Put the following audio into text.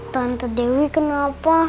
tante dewi kenapa